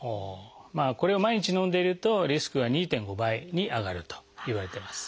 これを毎日飲んでいるとリスクが２．５倍に上がるといわれています。